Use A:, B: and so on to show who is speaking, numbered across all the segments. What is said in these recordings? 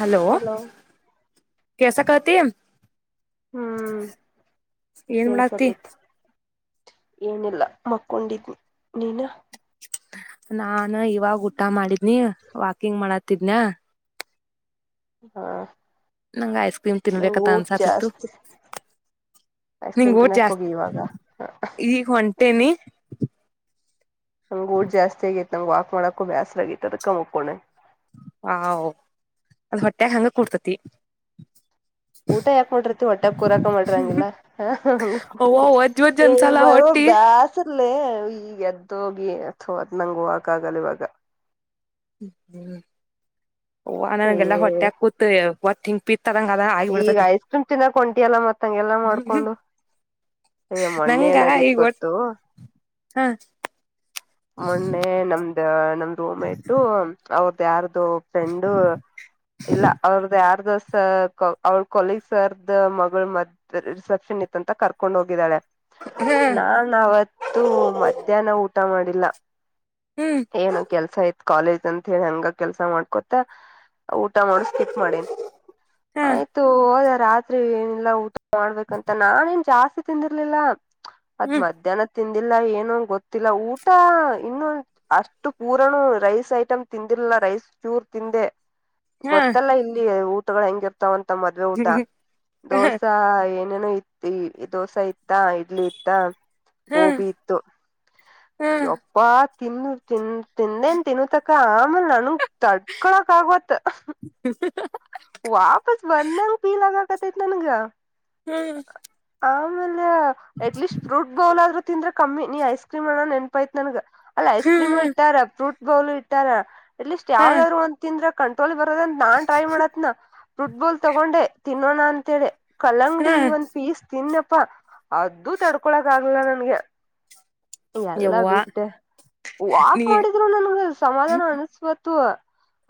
A: hello ಕೆಸಾ ಕತಿ
B: ಹ್ಮ್
A: ಏನ್ ಮಾಡಕ್ತಿ
B: ಕೇಳ್ಸತೈತಿ ಏನಿಲ್ಲ ಮಕ್ಕೊಂಡಿದ್ನಿ ನೀನ
A: ನಾನ ಇವಾಗ ಊಟ ಮಾಡಿದ್ನಿ ವಾಕಿಂಗ್ ಮಾಡತಿದ್ನ
B: ಹಾ
A: ನಂಗ ಐಸ್ ಕ್ರೀಮ್
B: ನಂಗ್
A: ತಿನ್ಬೇಕತ್ತ
B: ಊಟ್
A: ಅನ್ಸಾತಿತ್ತು
B: ಜಾಸ್ತಿ ಐಸ್
A: ನಿಂಗ
B: ಕ್ರೀಮ್
A: ಊಟ
B: ತಿನ್ನಕ್
A: ಜಾಸ್ತಿ
B: ಹೋಗಿ ಇವಾಗ ಹ
A: ಈಗ ಹೊಂಟೇನಿ
B: ನಂಗ್ ಊಟ್ ಜಾಸ್ತಿ ಆಗೈತ್ ನಂಗ ವಾಕ್ ಮಾಡಕೊ ಬ್ಯಾಸರ ಆಗೈತಿ ಅದಕ ಮಕ್ಕೂಂದಿನಿ
A: ಹಾ ಅದು ಹೊಟ್ಟೆಗ ಹಂಗ ಕೂಡ್ತತಿ
B: ಊಟ ಯಾಕ ಮಾಡಟ್ರಿತಿ ಹೊಟ್ಟಾಗ ಕೂರಾಕ ಮಾಡ್ರಿ ಹಂಗಿಲ್ಲ
A: ಅವ್ವ
B: ಹಂಗತಿ
A: ವಜ್ಜ್ ವಜ್ಜ್ ಅನ್ಸಲ್ಲ ಹೊಟ್ಟಿ
B: ಬ್ಯಾಸಲ್ಲೇ ಈಗ ಎದ್ದೋಗಿ ಅಥ್ ಅದ ನಂಗ ಹೋಗಕ್ ಆಗಲ್ಲ ಇವಾಗ
A: ಹ್ಮ್ ಓ
B: ಏ
A: ನನ್ಗೆಲ್ಲ ಹೊಟ್ಟೆ ಕೂತ ಒ ತಿಂಗ ಪಿ
B: ಈಗ ಷ್ಟ್ರಮ್ ಚನ್ನಾಗ ಹೊಂಟಿಯಲ್ಲ ಮತ್ತಂಗೆಲ್ಲ ಮಾಡ್ಕೊಂಡು ಯ ಮೊಣ್ಣೆ ಏನಾಗೇತ್ ಗೊತ್ತು
A: ಹಾ
B: ಮೊನ್ನೆ ನಮ್ದ ನಮ್ ರೂಮ್ಟು ಅವ್ರ್ದ ಯಾರ ಫ್ರೆಂಡು ಇಲ್ಲ ಅವ್ರದ್ದ ಯಾರ್ದ ಸ ಅವಳ ಕೊಲಗ್ ಸರ್ದ ಮಗಳ ಮದ ರಿಸೆಪ್ಷನ್ ಇತ್ತ ಅಂತ ಕರ್ಕೊಂಡ್ ಹೋಗಿದ್ದಾಳೆ
A: ಹ
B: ನಾನ್ವತ್ತುೂ ಮಧ್ಯಾಹ್ನ ಊಟ ಮಾಡಿಲ್ಲ
A: ಹ್ಮ್
B: ಏನು ಕೆಲ್ಸ ಯತ್ ಕಾಲೇಜ್ ಅಂತ ಹೇಳಿ ಹಂಗ ಕೆಲ್ಸ ಮಾಡ್ಕೊತ ಊಟ ಮಾಡ ಸ್ಕಿಪ್ ಮಾಡೇನ್
A: ಹ
B: ಆಯ್ತು ಹೋದ ರಾತ್ರಿ ಏನಲ್ಲಊ ಮಾಡ್ಬೇಕಂತ ನಾನೇಏನ್ ಜಾಸ್ತಿ ತಿಂದಿರ್ಲಿಲ್ಲ ಅದ್
A: ಹ್ಮ್
B: ಮಧ್ಯಾಹ್ನ ತಿಂದಿಲ್ಲ ಏನು ಗೊತ್ತಿಲ್ಲ ಊಟ ಇನ್ನೊಂದು ಅಷ್ಟು ಪೂರನು ರೈಸ್ ಐಟಮ್ ತಿಂದಿರ್ಲ್ಲ ರೈಸ್ ಚೂರ್ ತಿಂದೆ
A: ಹ
B: ಗೊತ್ತಲ್ಲ ಇಲ್ಲಿ ಊಟಗಳು ಹೆಂಗ ಇರ್ತಾವಂತ ಮದ್ವೆೆ ಊಟ
A: ಹ
B: ದೋಸಾ ಏನೇನೋ ಇತಿ ದೋಸಾ ಇ ಇತ್ತ ಇಡ್ಲಿ ಇತ್ತ
A: ಹ ಹ
B: ಗೋಬಿ ಇತ್ತು
A: ಹ
B: ಎಪ್ಪತ್ ತನು ತ ತಿಂದಂದನು ತೆನುೂ ತಕ್ಕ ಆಮ ನಾನು ತಡ್ಕೊಳಕ್ ಆಗವತ್ ವಾಪಸ್ ಬಂದಂಗ ಪೀಲಗ ತೆ ನಾನುಂಗ
A: ಹ್ಮ್
B: ಆಮೇಲೆ ಅಟ್ಲೀಸ್ಟ್ ಫ್ರೂಟ್ ಬೌಲ್ ಆದ್ರು ತಿಂದ್ರೆ ಕಮ್ಮಿ ನೀ ಐಸ್ ಕ್ರೀಮ ಅಣೋ ನೆನ್ಪೈತ್ ನನ್ಗ ಅಲ್ಲ
A: ಹ
B: ಐಸ್ ಕ್ರೀಮ್ ಇಟ್ಟಾರ ಫ್ರೂಟ್ ಬೌಲ್ ಇಟ್ಟಾರ ಅಟ್ ಲೀಸ್ಟ್
A: ಹ
B: ಯಾವ್ದಾದ್ ಒ ತಿಂದ್ರ ಕಂಟ್ರೋಲ್ ಬ ನಾನ್ ಟ್ರೈ ಮಾಡತ್ನ ಫುಟ್ಬಾಲ್ ತಗೊಂಡೆ ತಿನ್ನೋಣ ಅಂತೇಳಿ
A: ಹ
B: ಕಲ್ಲಂಗಡಿ ಒಂದ್ ಪೀಸ್ ತಿನ್ನಪ್ಪಾ ಅದುೂ ತಡ್ಕೊಳಕ್ ಆಗ್ಲ್ಲ ನನ್ಗೆ ಎಲ್ಲಾ
A: ಯವ್ವ
B: ಬಿಟ್ಟೆ ವಾಕ್
A: ನೀ
B: ಮಾಡಿದ್ರು ನನ್ಗ ಸಮಾಧಾನ ಅನ್ಸವತ್ತು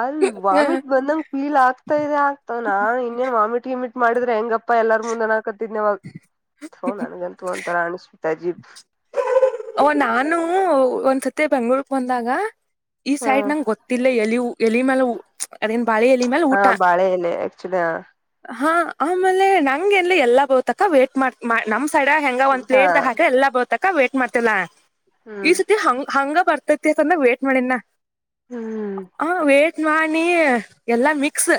B: ಅಲ್
A: ಹ
B: ವಾಮಿಟ್ ಬಂದಂಗ ಫೀಲ್ ಆಗ್ತಾ ಇದೆ ಆಗ್ತ ನಾನ್ ಇನ್ನೇನ್ ವಾಮಿಟ್ ಮಾಡಿದ್ರೆ ಹೆಂಗಪ್ಪಾ ಎಲ್ಲಾರ ಮುಂದನ ಹಾಕತಿದಿವಾಗ ಹೋ ನನಗೆಂತು ಒಂತರ ಅಾಣಿಸ್ ತಜಿ
A: ಓ ನಾನು ಒಂದ್ಸತಿ ಬೆಂಗ್ಳೂರ್ಕ್ ಬಂದಾಗ ಈ
B: ಹ
A: ಸೈಡ್ ನಂಗ ಗೊತ್ತಿಲ್ಲ ಎಲಿವು ಎಲಿ ಮ್ಯಾಲ ಅದನ್ ಬಾಳಿ ಎಲಿ ಮ್ಯಾಲ
B: ಹಾ
A: ಊಟ
B: ಬಾಳೆ ಎಲೆ ಆಕ್ಚುಲಿ
A: ಹಾ ಆಮೇಲೆ ನಂಗೆ ಎನ್ ಎಲ್ಲಾ ಬೋತಕ ವೇಟ್ ಮಾಡ ನಮ್ ಸಡ ಹೆಂಗ ಒಂದ್
B: ಹಾ
A: ಪ್ಲೇಟ್ ದಾಕ ಎಲ್ಲ ಬ ತಕ್ಕ ವೇಟ್ ಮಾಡ್ತಲ್ಲಾ ಈ
B: ಹ್ಮ್
A: ಸತಿ ಹಂಗ ಹಂಗ ಬರ್ತೈತಿಂದ ವೇಟ್ ಮಾಡಿನ
B: ಹ್ಮ್
A: ಚಾಣಿ ಎಲ್ಲಾ ಮಿಕ್ಸ್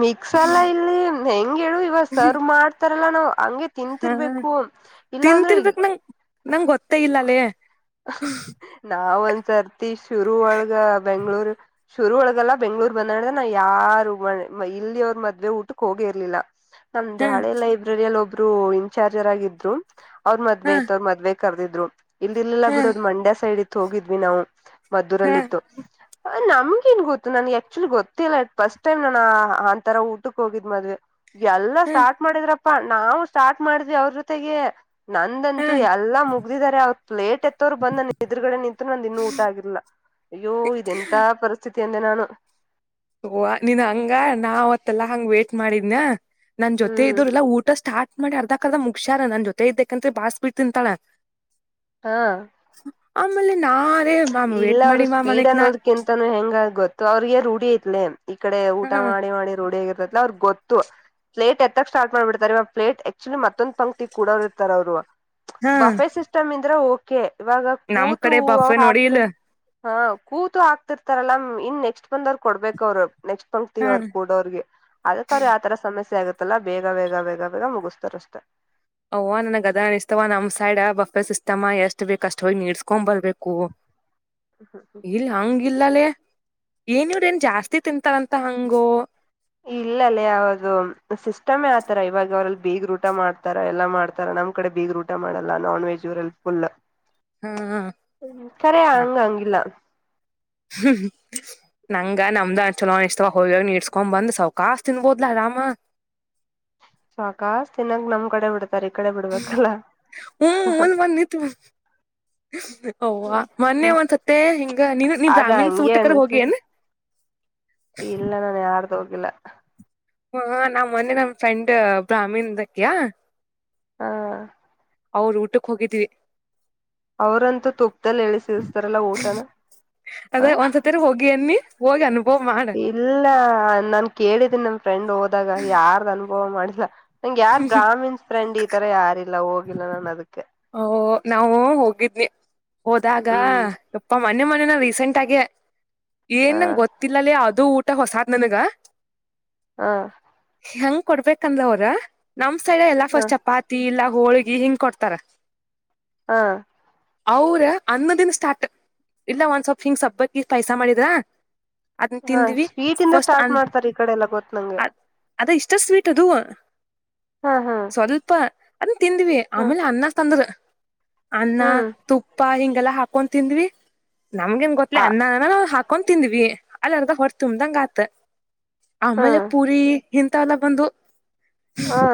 B: ಮಿಕ್ಸ್ ಎಲ್ಲ ಇಲ್ಲಿ ಹೆ ಹಂಗ ಹೇಳು ಇವಾಗ ಸರ್ವ್ ಮಾಡ್ತಾರಲ್ಲಾ ನಾವವು ಹಂಗೆ
A: ಹ
B: ತಿಂತರ್ಬೇಕು ಇಲ್ಲಾ ಅಂದ್ರೆ
A: ತಿಂತಿರ್ಬೇಕ್ ನಂಗ ನಂಗ್ ಗೊತ್ತಾ ಇ
B: ನಾವ ಒಂದ್ಸರ್ತಿ ಶುರುವ ಒಳ್ಗ ಬೆಂಗ್ಳೂರ್ ಶುರು ಒಳಗಲ್ಲ ಬೆಂಗ್ಳೂರ್ ಬಂದಾಡ್ರೆ ನಾ ಯಾರು ಇಲ್ಲಿ ಅವ್ರ ಮದ್ವೆ ಊಟಕ್ ಹೋಗಿ ಇರ್ಲಿಲ್ಲ ನಮ್ದು
A: ಹ
B: ಹಳೆ ಲೈಬ್ರರಿಯಲ್ಲಿ ಒಬ್ರು ಇನ್ಚಾರ್ಜರ ಆಗಿದ್ರು ಅವ್ರ
A: ಹ
B: ಮದ್ವೆೆತ್ ಅವ್ರ ಮದ್ವೆ ಕರೆದಿದ್ರು ಇಲ್ ಇಲ್ಲಲ್ಲ
A: ಹ
B: ಬಿಡೋದು್ ಮಂಡ್ಯ ಸೈಡ್ ಇತ್ತು ಹೋಗಿದ್ವಿ ನಾವು ಮದ್ದೂರಲ್ಲಿ
A: ಹ
B: ಇತ್ತು ನಮ್ಗ ನ್ ಗೊತ್ತು ನನ್ಗೆ ಆಕ್ಚುಲಿ ಗೊತ್ತಿಲ್ಲ ಫಸ್ಟ್ ಟೈಮ್ ನಾ ಆಂಂತರ ಊಟಕ್ಕೆ ಹೋಗಿದ್ ಮದ್ವೆ ಎಲ್ಲ ಸ್ಟಾರ್ಟ್ ಮಾಡಿದ್ರಪ್ಪಾ ನಾವು ಸ್ಟಾರ್ಟ್ ಮಾಡಿದ್ವಿ ಅವ್ರ ಜೊತೆಗೆ
A: ಹ
B: ನಂದಂತೂ
A: ಹ
B: ಎಲ್ಲಾ ಮುಗ್ದಿದ್ದಾರೆ ಅವತ್ ಪ್ಲೇಟ್ ಎತ್ತೋರು ಬಂದ್ ನ ಎರುಗಡೆ ನಿಂತು ನಂದು ಇನ್ನು ಊಟ ಆಗರ್ಲ್ಲ ಅಯ್ಯೋ ಇದೆಂತ ಪರಿಸ್ಥಿತಿ ಅಂದೆ ನಾನು
A: ಓವ ನೀನ್ ಹಂಗ ನಾ ಅವತ್ತೆಲ್ಲಾ ಹಂಗ ವೇಟಟ್ ಮಾಡಿದ್ನ ನನ್ ಜೊತೆ
B: ಹ್ಮ್
A: ಇದ್ರಲ್ಲಾ ಊಟ ಸ್ಟಾರ್ಟ್ ಮಾಡಿ ಅರ್ಧಾ ಅರ್ದ ಮುಗ್ಯಾರ ನನ್ ಜೊತೆ ಇದ್ದಬೇಕಕಂತ್ರ ಬಾಸ್ ಬಿಟ್ಟ ತಿಂತಳ
B: ಹಾ
A: ನಾರೇ ಮ್ಯಾಮ್
B: ಇಲ್ಲ
A: ವೇಟ್
B: ಅವರು
A: ಮಾಡಿ ಮ್ಯಾಮ್
B: ಸ್ಪೀಡ್
A: ಅನಕ್ ನಾ
B: ಅನ್ನೋದಕ್ಕಿಂತಾನೂ ಹೆಂಗ ಗೊತ್ತು ಅವ್ರಿಗ ರೂಢಿ ತ್ಲ ಈ ಕಡೆ ಊಟ
A: ಹ
B: ಮಾಡಿ ಮಾಡಿ ರೂಡಿಯಗಿರ್ತತ್ಲ ಅವ್ರ ಗೊತ್ತು ಪ್ಲೇಟ್ ಎತ್ತಕ್ ಸ್ಟಾರ್ ಮಾಡ್ಬಿಡ್ತಾರೆವಾಗ ಪ್ಲೇಟ್ ಆಕ್ಚುಲಿ ಮತ್ತೊ್ ಪಂಕ್ತಿ ಕೂಡೋರು ಇರ್ತ ಅವ್ರು
A: ಹಾ
B: ಬಫೆ ಸಿಸ್ಟಮ್ ಇಂದ್ರೆ ಓಕೆ ಇವಾಗ ಕೂತು ಹೂ
A: ಅಡಲ
B: ಹಾ ಕೂತು ಹಾಕ್ತಿರ್ತಾರಲ್ಲ ಇನ್ ನೆಕ್ಸ್ಟ್ ಬಂದ ಅವರು ಕೊಡ್ಬೇಕ ಅವ್ರು ನೆಕ್ಸ್ಟ್
A: ಹ
B: ಬತೀವಿ ಅವ್ರ ಕೂಡೋಗೆ ಅದಕ್ರ ಆ ತರ ಸಮಸ್ಯೆ ಆಗತ್ತೆ ಮಲ್ಲಾ ಬೇಗ ಬೇಗ ಬೇಗ ಬೇಗ ಮುಗಿಸ್ತಾರಷ್ಟೆ
A: ಅವ್ ನನ್ಗ್ ಅದ ಅನಿಸ್ತವ ನಮ್ ಸೈಡ್ ಬಫೆ ಸಿಸ್ಟಮ್ಮ ಎಷ್ಟ್ ಬೇಕ ಅಷ್ಟ ಹೋಗಿ ನೀಡ್ಸ್ಕೊಂಡ್ ಬರ್ಬೇಕು ಕ ಇಲ್ಲ ಹಂಗಿಲ್ಲಲೇ ಏನ್ ಇವ್ರ ನ್ ಜಾಸ್ತಿ ತಿಂತಾರಂತ ಹಂಗು
B: ಇಲ್ಲಲ್ಲ ಯಾವುದು ಸಿಸ್ಟಮೇ ಆತರ ಇವಾಗ ಅವ್ರಲ್ಲಿ ಬೀಗರು ಊಟ ಮಾಡ್ತಾರ ಎಲ್ಲಾ ಮಾಡ್ತಾರ ನಮ ಕಡೆ ಬೀಗ್ ಊಟ ಮಾಡೋಲ್ಲ ನಾನ್ ವೆಜ್ ಹೆಲ್ಪ್ಫುಲ್
A: ಹಾ ಹ
B: ಹ್ಮ ಸರಿ ಹಂಗ ಹಂಗಿಲ್ಲ
A: ಹ್ಮ್ ನಂಗ ನಮ್ದು ಚಲೋ ಇಷ್ಟವಾಗ ಹೋಗಿವಾಗ ನೀ ಇಡ್ಸ್ಕೊಂಡ್ ಬಂದ್ ಸೌಕಾಶ ತಿನ್ಬೋದ್ಲ ಅಮ್ಮ
B: ಸಾಕಾ ತಿನ್ನಾಗ ನಮ್ ಕಡೆ ಬಿಡತೆ
A: ಹ್ಮ ಮಲ್ವ ನೀ ತ ಹ್ವ ಮೊನ್ನೆ
B: ಹ
A: ಒಂದ್ಸತ್ತೆ ಹಿಂಗ ನೀನು ನೀ
B: ಅದ
A: ಬ್ರಾಮೀಣ
B: ಹಂಗೆ
A: ಊಟಕರ್ ಹೋಗಿ
B: ಅನಿಸ್ತದೆ
A: ಏನ್ [inaudible]
B: ಇಲ್ಲ ನಾನು ಯಾರ್ದು ಹೋಗಿಲ್ಲ
A: ಹಾ ನಮ್ಮ್ ಮೊನ್ನೆ ನಮ್ ಫ್ರೆಂಡ್ ಬ್ರಾಹ್ಮೀಣದಕ್ಯಾ
B: ಹಾ
A: ಅವ್ರ ಊಟಕ್ಕೆ ಹೋಗಿದ್ವಿ
B: ಅವರಂತೂ ತುಪ್ದಲ್ಲಿ ಎಳಿಸಿಸ್ತಾರಲ್ಲ ಊಟನ
A: ಅದ
B: ಹ
A: ಒಂದ್ಸತೆರ ಹೋಗಿ ಅನ್ನಿ ಹೋಗಿ ಅನುಭವ ಮಾಡ
B: ಇಲ್ಲ ನಾನ್ ಕೇಳಿದ್ದೀನಿ ನಮ ಫ್ರೆಂಡ್ ಹೋದಾಗ ಯಾರ್ದ್ ಅನುಭವ ಮಾಡಿಲ್ಲ ನಂಗೆ ಯಾರ್ ಬ್ರಹಾಮಿನ್ಸ್ ಫ್ರೆಂಡ್ ಈ ತರ ಯಾರಿಲ್ಲ ಹೋಗಿಲ್ಲ ನಾನು ಅದಕ್ಕೆ
A: ಓ ನಾವು ಹೋಗಿದ್ನಿ ಹೋದಾಗ
B: ಹ್ಮ್
A: ಇಪ್ಪ ಮನೆ ಮನೆನ ರೀಸೆಂಟ್ ಆಗೇ
B: ಹ
A: ಏನ್ ನಂಗಗೆ ಗೊತ್ತಿಲ್ಲಲ್ಲಿ ಅದು ಊಟ ಹೊಸಾದ್ ನನ್ಗ
B: ಹಾ
A: ಹೆಂಗ್ ಕೊಡ್ಬೇಕ ಅಂದ್ ಅವ್ರ ನಮ್ ಸೈಡ್ ಎಲ್ಲಾ
B: ಹ
A: ಫಸ್ಟ್ ಚಪಾತಿ ಇಲ್ಲ ಹೋಳ್ಗಿ ಹಿಂಗ್ ಕೊಡ್ತಾರ
B: ಹಾ
A: ಅವ್ರ ಅನ್ನ ದಿನ ಸ್ಟಾರ್ಟ ಇಲ್ಲ ಒನ್ಸ್ ಆಫ್ ಕಿಂಗ್ಸ್ ಹಬ್ಬಕ್ಕ ಪೈಸಾ ಮಾಡಿದ್ರಾ ಅದ್ನ
B: ಹ
A: ತಿಂದ್ವಿ
B: ಸ್ವೀಟ್ ಇಂದ
A: ಫಸ್ಟ್
B: ಸ್ಟಾರ್ಟ್
A: ಅನ್
B: ಮಾಡ್ತಾರೆ ಈ ಕಡೆ ಎಲ್ಲ ಗೊತ್ ನಂಗೆ
A: ಅ್ ಅದ ಇಷ್ಟ ಸ್ವೀಟ್ ಅದು
B: ಹಾ ಹಾ
A: ಸ್ವಲ್ಪ ಅದನ್ ತಿಂದ್ವಿ
B: ಹ್ಮ್
A: ಆಮೇಲೆ ಅನ್ನ ತಂದ್ರ ಅನ್ನ
B: ಹ್ಮ್
A: ತುಪ್ಪ ಹಿಂಗೆಲ್ಲಾ ಹಾಕೊಂಡ್ ತಿಂದ್ವಿ ನಮ್ಗೆನ್ ಗೊತ್ತಲಿ
B: ಆ
A: ಅನ್ನ ನಾ್ ಹಾಕ ಕಂತ್ ತಿಂದ್ವಿ ಅಲ್ಲರ್ದ ಹೊರ ತುಂಬ್ದಂಗ ಆತ್ ಆಮೇಲೆ
B: ಹ್ಮ್
A: ಪೂರಿ ಎಲ್ಲ ಬಂದು
B: ಹಾ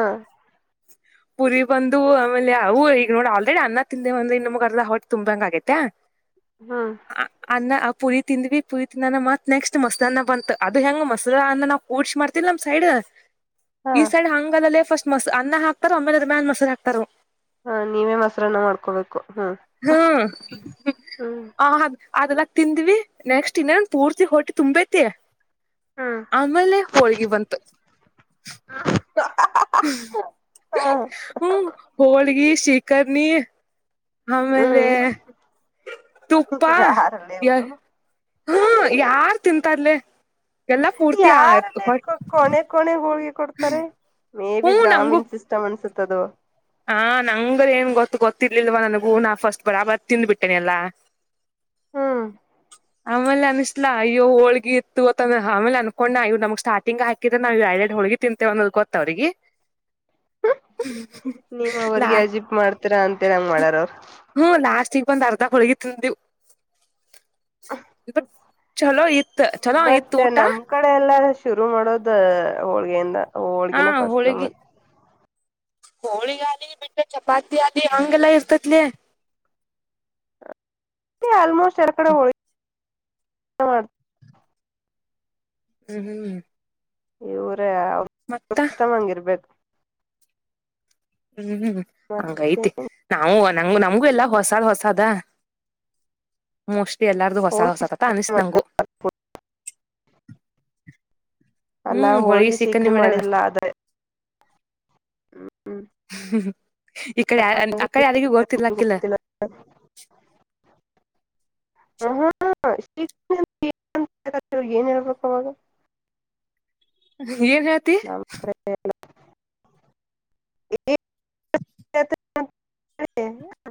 A: ಪುರಿ ಬಂದು ಆಮೇಲೆ ಅವು ಈಗ ನೋಡ ಆಲ್ರೆಡಿ ಅನ್ನ ತಿಂದೆ ಅಂದ್ರೆ ಇನ್ನುೊಗರ್ಲ್ಲ ಹೊಟ್ ತುಂಬಾಂಗ ಆಗೈತೆ
B: ಹ್ಮ್
A: ಅನ್ನ ಪುರಿ ತಿಂದ್ವಿ ಪುರಿ ತಿಂದನ್ನಾನ ಮತ್ ನೆಕ್ಸ್ಟ್ ಮಸದ ಅಾನ ಬಂತತ್ ಅದು ಹೆಂಗ ಮಸದ ಅ ನಾ ಕಡ್ಸಿ ಮಾಡ್ತತಿವಿ ನ್ ಸೈಡ್
B: ಹ
A: ಈ ಸೈಡ್ ಹಂಗದಲ್ಲೇ ಫಸ್ಟ್ ಮ ಅನ್ನ ಹಾಕ್ತಾರ ಆಮೇಲೆ ಅಮ್ಯಾನ್ ಮಸರು ಹಾಕ್ತಾರ
B: ಹಾ ನೀವೇ ಮೊಸರನ್ನ ಮಾಡ್ಕೋಬೇಕು ಹ್ಮ್ ಹ್ಮ್
A: ಅದಲ್ಲಕ ತಿಂದ್ವಿ ನೆಕ್ಸ್ಟ್ ಇನ್ನೇನ್ ಪೂರ್ತಿ ಹೊಟ್ಟಿ ತುಂಬೈತಿ
B: ಹ್ಮ್
A: ಆಮೇಲೆೇ ಹೋಳ್ಗಿ ಬಂತು
B: ಹ
A: ಹ್ಮ ಹಳಗ ಶಿಕರ್ ನೀ ಆಮೇಲೆ
B: ಹ್ಮ್
A: ತುಪ್ಪ
B: ಯಾರಲ್ಲ
A: ಯ
B: ಇವ್ರು
A: ಹ್ಮ ಯಾರ್ ತಿಂತಾರ್ಲ
B: ಯಾರಲ್ಲೇ ಕಣೆ ಕಣೆ ಹಿ ಕೊಡ್ತಾರೆ ಮೇ ಬಿ
A: ನಂಗು
B: ಬ್ರಹಾಮೀಣ್ ಸಿಸ್ಟಮ್ ಅನ್ಸುತ್ತದು
A: ಹಾ ನಂಗರ ಏನ್ ಗೊತ್ತ ಗೊತ್ತಿರ್ಲಿಲ್ವ ನನಗೂ ನಾ ಫಸ್ಟ್ ಬರಾಬರ್ ತಿಂದ ಬಿಟ್ಟೇನೆ ಎಲ್ಲಾ [inaudible]
B: ಹ್ಮ
A: ಆಮೇಲೆ ಅನಸ್ಲಾ ಅಯ್ಯ ಹೋಳಗ ಇತ್ತು ಆ ಅನ್ಕೊಂಡ್ಣ ಇವ ನಮ್ ಸಾರ್ಟಿಂಗ್ ಹಾಕಿದ್ರ ನಾವುೆಡ್ ಹಳಗ ತಿಂತೆೇವೆ ಅನ್ನೋದು ಗೊತ್ತ ಅವಿಗೆ
B: ನೀವ್
A: ಲಾ
B: ಅವ್ರಿಗೆ ಅಜಿಬ್ ಮಾಡ್ತೀರಾ ಅಂತೇಳಿ ಹಂಗ್ ಮಾಡ್ಯಾರ ಅವ್ರು
A: ಹ್ಮ ಲಾಸ್ ಪ ತಾರತ ದಾ ಹೊಳಗಿ ತಿವು
B: ಹ
A: ಚಲೋ ಇತ್
B: ಬಟ್
A: ಊಟ
B: ನಮ್ ಕಡೆ ಎಲ್ಲ ಶುರು ಮಾಡೋದ ಹೋಳ್ಗೆಯಿಂದ ಹೋಳ್ಗಿನ ಫಸ್ಟ್ ನಮ್ಮತ್
A: ಹೋಳಿ ಆಲಿ ಬಿಟ್ಟೆ ಚಪಾತಿ ಆಲಿ ಹಂಗೆಲ್ಲ ಇರ್ತತ್ಲ [inaudible]
B: ಆಲ್ಮೋಸ್ಟ್ ಎರ ಕಡೆ ಹಳ ಮಾಡ
A: ಹ್ಮ್ ಹ್ಮ್
B: ಇವರೇ
A: ಮತ್ತ
B: ಸಿಸ್ಟಮ್ ಹಂಗ ಇರ್ಬೇಕು
A: ಹ್ಮ್
B: ಮತ್
A: ಹಂಗೈತೆ ನಾವು ನಂಗ ನಮಗು ಎಲ್ಲ ಹೊಸಾದ್ ಹೊಸದ ಮಸ್ ಎಲ್ಲಾರ್ದು ಹೊಸ
B: ಹೋಳ್ಗಿ
A: ಹೊಸತತ ಅನಿಸತ ನಂಗು
B: ಅಲ್ಲಾ
A: ಹ್ಮ್ ಹೋಳಿಗಿ
B: ಹೋಳ್ಗಿ
A: ಸಿಕನ್ನಿ
B: ಸೀಕ್ರಿ ಮಾಡಿಲ್ಲಾ ಅದ
A: ಹ್ಮ ಈ ಕಡೆ ಯ ಆ ಕಡೆ ಯಾರಿಗೂ ಗೊತ್ತಿಲ್ಲಾಕಿಲ್ಲ
B: ಗೊತ್ತಿಲ್ಲ ಹ ಹಾ ಶ ಏನ್ ಹೇಳ್ಬೇಕ ಅವಾಗ
A: ಏನ್ ಹತಿ
B: ನಮ್ [inaudible]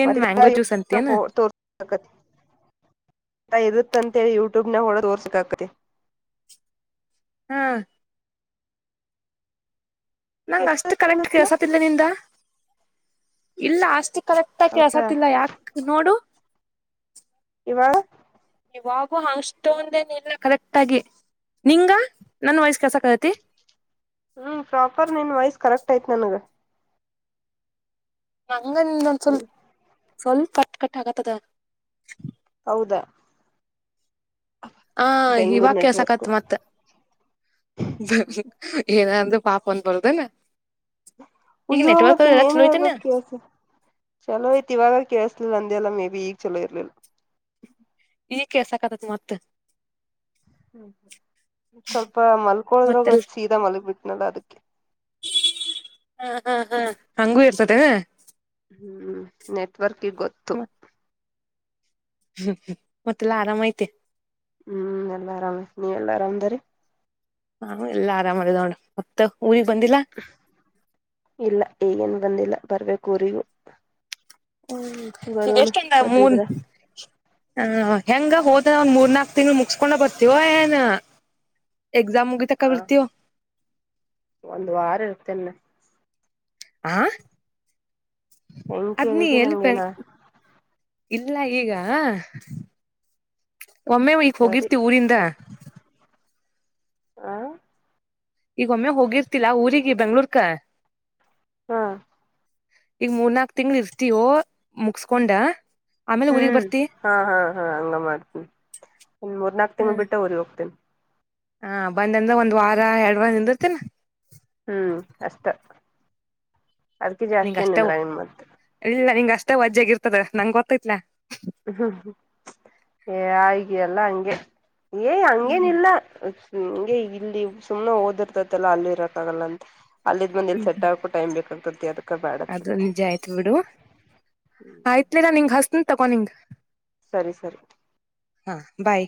A: ಏನ್ ಮ್ಯಾಂಗೋ ಜ್ಯೂಸ್
B: ಮತ್ತ
A: ಅಂತೇನ್
B: ತೋ ಆತ ಇರುತ್ತಂತೇಳಿ ಯೂಟ್ಯೂಬ್ನ ಹೊಡದು ತೋರ್ಸಕ್ ಆಗ್ಕತಿ
A: ಹಾ ನಂಗ ಅಷ್ಟು ಕರೆಕ್ಟ್ ಕೆಸತಿಲ್ಲ ನಿಂದ ಇಲ್ಲಷ್ಟ ಕರೆಕ್ಟ್ ಆಾಗಿ ಕೆಳ್ಸತಿಲ್ಲ ಯಾಕ ನೋಡು
B: ಇವಾ
A: ಇವಾಗೂ ಅಷ್ಟೊಂದೇನ ಇಲ್ಲ ಕರೆಕ್ಟ್ ಆಗಿ ನಿಂಗ ನನ್ ವಯಸ್ಸ ಕೆಲ್ಸಕ್ಕ ಆಗತಿ
B: ಹ್ಞೂ ಪ್ರಾಪರ್ ನಿನ್ನ ವಾಯ್ಸ್ ಕರೆಕ್ಟ್ ಆಯ್ತು ನನಗೆ
A: ಹಂಗ ನಿಂದೊಂದ ಸ್ವಲ್ಪ ಸ್ವಲ್ಪ ಕಟ್ ಕಟ್ ಆಕತ್ತದ
B: ಹೌದಾ
A: ಹ ಇ
B: ಬೆಂಗ್ಳೂರ್
A: ವಕ್ಯ
B: ನೆಟ್ವರ್ಕ್
A: ಸಕತ್ ಮತ್ತಏ ಇ ಪಾಪನ್ ಬರದನ
B: ಅಯ್ಯೋ ಮತ್ತ ಇನ್ಏನ್ ಹೇಳ್ಬೇಕ ಕಲ್ಸ ಚಲೋ ಐ್ತಇವಾಗ ಕೇಸ್ಲ ಅಂದೆ ಎಲ್ಲ ಮೇ ಬಿ ಈಗ ಚಲೋ ಇರ್ಲಿಲ್ಲ
A: ಈ ಕೆಸಕತತ್ ಮತ್ತ
B: ಹ್ಮ್ ಸ್ವಲ್ಪ
A: ಮತ್ತೆಲ್
B: ಮಲ್ಕೊಳದ್ರಗ್ತ್ ಸೀದಾ ಮಲ್ಗ್ ಬಿಟ್ಟನಲ್ಲ ಅದಕ್ಕೆ
A: ಹಾ ಹಾ ಹಾ ಹಂಗೂ ಇರ್ತದೆ
B: ಹ್ಮ್ ನೆಟ್ವರ್ಕ್ಗೆ ಗೊತ್ತು
A: ಹ್ಮ್ ಮತ್ತೆಲ್ಲ ಆರಾಮಐತೆ
B: ಹ್ಮ್ ಎಲ್ಲಾ ಆರಾಮ ನೀ ಎಲ್ಲಾ ಆರಾಮದರೀ
A: ಹಾ ಎಲ್ಲಾ ಆರಾಮ್ದ ನೋಡ ಮತ್ತ ಊರಿಗ್ ಬಂದಿಲ್ಲ
B: ಇಲ್ಲ ಏಗೇನು ಬಂದಿಲ್ಲ ಬರ್ಬೇಕ ಊರಿಗೂ
A: ಹ್ಮ್ ಈಗ
B: ಬರೋಣ
A: ಎಷ್ಟ ಮೂನ್
B: ಸದ್ದಿದ್ರ
A: ಹ ಹೆಂಗ ಹೊ ಒಂದ್ ಮೂರ್ ನಾಕ್ ತಿಂಗಳು ಮುಗಸ್ಕೊಂಡ ಬರ್ತವ ಏನ್ ಎಕ್ಸಾಮ್ ಮುಗಿ
B: ಹ
A: ತಕಬರ್ತವ
B: ಒಂದ್ ವಾರ ಇರ್ತೇನೆ ನಾ
A: ಆ
B: ಹೆಂಗ
A: ಅದ್ನಿ
B: ಕೇಳಿದ್ದಿ
A: ಎಲ್ಲಿ ಬೆ
B: ನಂಗೇನಾ
A: ಇಲ್ಲ ಈಗ ಒಮ್ಮೆ ಈಕ್
B: ಸರಿ
A: ಹೋಗಿರ್ತಿ ಊರಿಂದ
B: ಹ
A: ಈಗ ಒಮ್ಮೆ ಹೋಗಿರ್ತಿಲ್ಲಾ ಊರಿಗೆ ಬೆಂಗ್ಳೂರ್ಕ
B: ಹಾ
A: ಈಗ ಮೂರ್ನಾಕ್ ತಿಂಗಳ ಇರ್ತಯೋ ಮುಗಸ್ಕೊಂಡ ಆಮೇಲೆ ಊರಿಗ್
B: ಹ್ಮ್
A: ಬರ್ತಿ
B: ಹಾ ಹಾ ಹಾ ಹಂಗ ಮಾಡ್ತೀನಿ ಒ ಮೂರ್ನಾಕ್ ತಿಂಗಳ
A: ಹ್ಮ್
B: ಬಿಟ್ಟು ಊರಿಗೆ ಹೋಗ್ತೇನಿ
A: ಹಾ ಬಂದಂದ್ರ ಒಂದ್ ವಾರ ಎರಡ್ ವಾರ ನಿಂದತೇನ
B: ಹ್ಮ್ ಅಷ್ಟ ಅದ್ಕಿ
A: ನಿಂಗ
B: ಜಾಸ್ತಿ
A: ಅಷ್ಟೇ
B: ಏನಿದ್ರ ನಿನ್ ಮತ್
A: ಇಲ್ಲ ನಿಂಗ ಅಷ್ಟೇ ವಜ್ಜಾಗಿ ಇರ್ತದ ನಂಗ ಗೊತ್ತೈತ್ಲ
B: ಏ್
A: ಹ್ಮ್
B: ಹಂಗೇನ ಇಿಲ್ಲ್ಮ ಇಲ್ಲಿ ಸುಮ್ನೆ ಓದಿರ್ತೈತಲ್ಲ ಅಲ್ಲಿ ಇರಕ್ಕಾಗಲ್ಲ ಅಂತ ಅಲ್ಲಿ ಬಂದ ಇಲ್ಲಿ
A: ಹ್ಮ್
B: ಸೆಟ್ ಆಗಕ ಟೈ್ ಬೇಕಾಗತದೆ
A: ಅದು ನಿಜ ಆಯ್ತ್ು ಬಿಡು ಆಯ್ತ್ಲಿಲ್ಲಾ ನಿಂಗ ಹಸತನ್ ತಗೊ ನಿಂಗ
B: ಸರಿ ಸರಿ
A: ಹಾ ಬಾಯ್